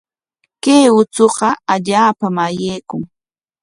Kay uchuqa allaapam ayaykun.